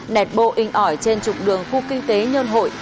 nẹt bộ in ỏi trên trục đường khu kinh tế nhân hội